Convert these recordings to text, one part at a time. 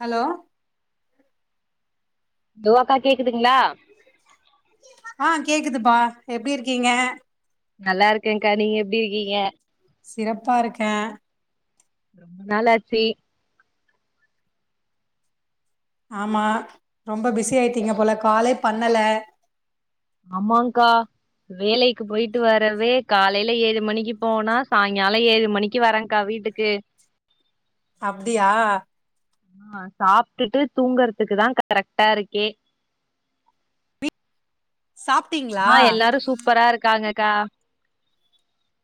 hello தூவாக்கா கேக்குதுங்ளா ஆ கேக்குதுப்பா எப்டி இருக்கீங்க நல்லா இருக்கேக்கா நீங்க எப்டி இருக்கீங்க சிறப்பாருக்கே நாளாச்சி ஆமா ரொம்ப பிஸி ஆயிடீங்க போல காலே பண்ணல ஆமாங்கா வேலைக்கு போயிட்டு வரவே காலையில ஏழு மணிக்கு போனா சாய்ங்காலோ ஏழு மணிக்கு வரேங்கா வீட் வீட்டுக்கு அப்டியா ஆ சாப்ட்டுட்டு தூங்குறதுக்கு தா கரெக்டாருக்கே வீ ஆ எல்லாரு சூப்பரா இருக்காங்கக்கா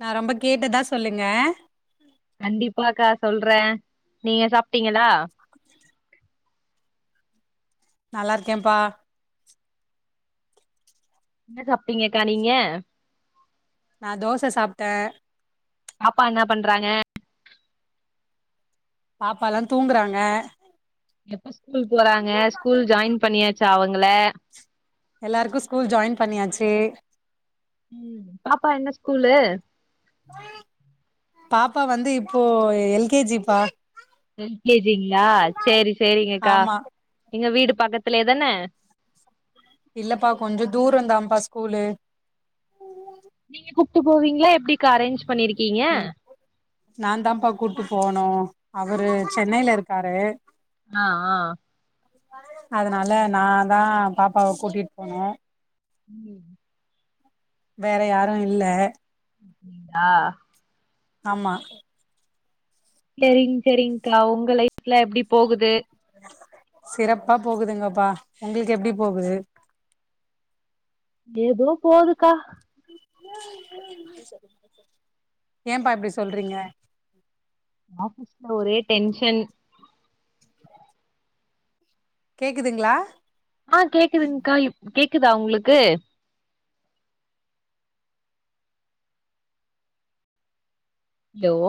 நா ரொம்ப கேட்டதா சொல்லுங்க கண்டிப்பாக்கா சொல்றே நீங்க சாப்ட்டிங்களா நல்லா இருக்கேம்ப்பா என்ன சாப்ட்டீங்கக்கா நீங்க நா தோச சாப்ட்டே பாப்பா என்ன பண்றாங்க பாப்பாலா தூங்குறாங்க எப்ப ஸ்கூல் போறாங்க ஸ்கூல் ஜாயின் பண்ணியாச்சா அவுங்கள எல்லாருக்கு ஸ்கூல் ஜாயின் பண்ணியாச்சு ம் பாப்பா என்ன ஸ்கூலு பாப்பா வந்து இப்போ எல்கேஜிப்பா எல்க்கேஜிங்களா சேரி சேரிங்கக்கா ஆமா எங்க வீடு பக்கத்லேயே தான இல்லப்பா கொஞ்ச தூரதாப்பா ஸ்கூலு கூட்டு போவீங்களா எப்டிக்கா அரேஞ்ச் பண்ணிருக்கீங்க ம் நா தாப்பா கூட்டு போவனு அவரு சென்னையில இருக்காரு ஆ ஆ அதனால நா தா பாப்பாவ கூட்டிட்டு போனு ம் வேற யாரு இல்ல [unintelligible] ஆமா செரிங்க செரிங்க்கா உங்க லைஃப்ல எப்டி போகுது சிறப்பா போகுதுங்கப்பா உங்களுக்கு எப்டி போகுது ஏதோ போதுக்கா ஏபா இப்டி சொல்றீங்க ஆஃபீஸ்ல ஒரே டென்ஷன் கேக்குதுங்களா ஆ கேக்குதுங்க்கா கேக்குதா உங்களுக்கு ஹலோ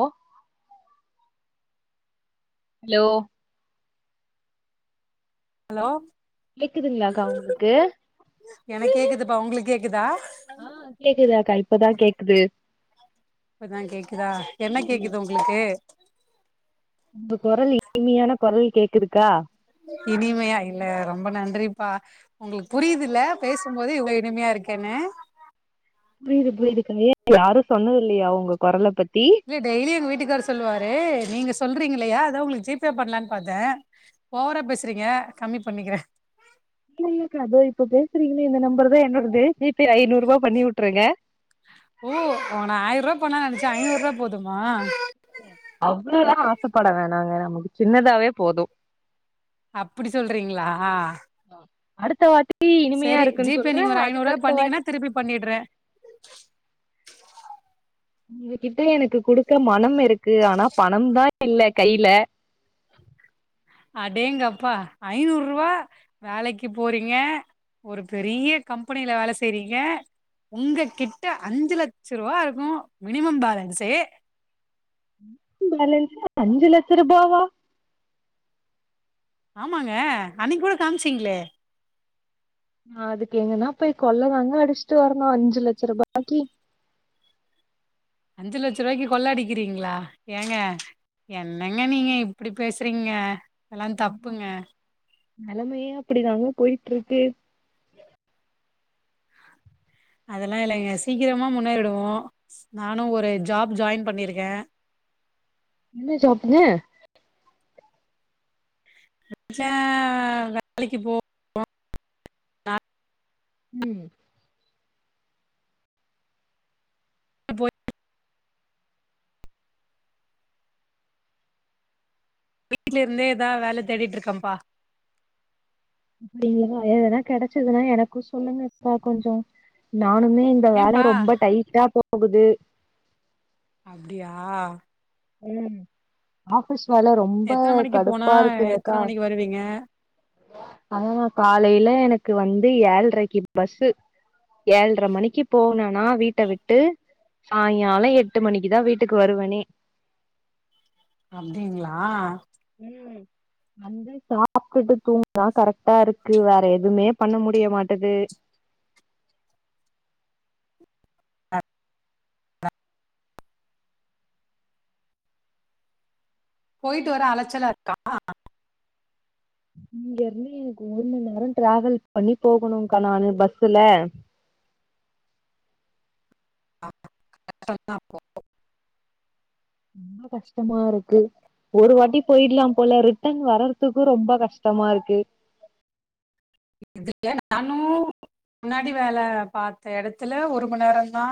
ஹலோ ஹலோ கேக்குதுங்களாக்கா உங்களுக்கு எனக்கு கேக்குதுப்பா உங்களுக்கு கேக்குதா ஆ கேக்குது அக்கா இப்பதா கேக்குது இப்பதா கேக்குதா என்ன கேக்குது உங்களுக்கு உங்க குரல் இனிமையான குரல் கேக்குதுக்கா இனிமையா இல்ல ரொம்ப நன்றிப்பா உங்களுக்கு புரியுது இல்ல பேசு போது இவ்ளோ இனிமையா இருக்கேன்னு புரியுது புரியுது க யாரு சொன்னது இல்லையா உங்க குரல பத் இல்ல டெய்லி எங்க வீட்டுக்காரு சொல்லுவாரு நீங்க சொல்றீங்கல்லையா அதா உங்களுக்கு ஜிபே பண்ணலான்னு பாத்தே ஓவரா பேசறீங்க கம்மி பண்ணிக்கிறே இல் இல்லக்கா இதோ இப்ப பேசுறீங்கல்ல இந்த நம்பர் தா என்னோடது ஜீபே ஐநூ ரூபா பண்ணி உட்ருங்க ஐநூரூவா போதுமா அவ்வளவு லா ஆசைப்பட வேணாங்க நமக்கு சின்னதாவே போது அப்டி சொல்றீங்களா அடுத்த வாட்டி இனிமையா சரி இருக்குன்னு ஜிபே சொல்றே நீங்க ஒரு அதுக்கு ஐநூறுவா அடுத்த பண்ணீங்கன்னா வாட்டி திருப்பி பண்ணிட்றே உங்ககிட்ட எனக்கு குடுக்க மனம் இருக்கு ஆனா பணம் தான் இல்ல கைல அடேங்கப்பா ஐநூறு ரூபா வேலைக்கு போறீங்க ஒரு பெரிய கம்பெனில வேலை செய்றீங்க உங்க கிட்ட அஞ்சு லட்ச ரூபா இருக்கனு மினிமம் பேலன்சே மினிமம் பேலன்ஸ் அஞ்சு லட்ச ரூபாவா ஆமாங்க அன்னைக்கி கூட காமிச்சிங்களே நா அதுக்கு எங்கன்னா போய் கொள்ள தாங்க அடிச்சிட்டு வரணு அஞ்சி லட்ச ரூபாய்க்கி அஞ்சி லட்ச ரூபாய்க்கி கொள்ள அடிக்கிறீங்களா ஏங்க என்னங்க நீங்க இப்டி பேசுறீங்க எல்லா ஆமா தப்புங்க நெலமையே அப்படிதாங்க போய்ட்டு இருக்கு அதெல்லா இல்லைங்க சீக்கிரமா முன்னேறிடுவோ நானு ஒரு ஜாப் ஜாயின் பண்ணிருக்கே என்ன ஜாப்புங்க ச்ச வேலைக்கு போவோம் [inaudible] ம் போய் வீட்ல இருந்தே ஏதாது வேலை தேடிட்டு இருக்கேப்பா அப்டிங்களா எதுனா கெடைச்சதுன்னா எனக்கு சொல்லுங்கப்பா கொஞ்சோ நானுமே இந்த வேலை ஏன்பா ரொம்ப டைட்டா போகுது அப்டியா ம் ஆபீஸ் வேலை ரொம்ப எத்தன மணிக்கு போனா கடுப்பா இருக்குங்க அக்கா எத்தன மணிக்கு வருவீங்க அது நா காலையில எனக்கு வந்து ஏழ்ரைக்கு பஸ்ஸு ஏழ்ரை மணிக்கு போனன்னா வீட்ட விட்டு சாய்ங்காலோ எட்டு மணிக்குதா வீட்டுக்கு வருவேனே அப்டிங்களா ம் வந்து சாப்ட்டுட்டு தூங்கதா கரெக்ட்டா இருக்கு வேற எதுவுமே பண்ண முடிய மாட்டது போயிட்டு வர அலைச்சலா இருக்கா இங்க இருந்து எனக்கு ஒரு மணி நேரோ ட்ராவல் பண்ணி போகணுங் கா நானு பஸ்ல [inaudible] ரொம்ப கஷ்டமா இருக்கு ஒரு வாட்டி போயிட்லாம் போல ரிட்டன் வர்றதுக்கு ரொம்ப கஷ்ட கஷ்டமா இருக்கு இதுல நானும் முன்னாடி வேலை பாத்த எடத்துல ஒரு மணி நேரம் தா